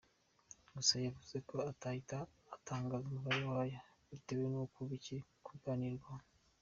Gusa yavuze ko atahita atangaza umubare wayo bitewe n’uko bikiri kuganirwaho.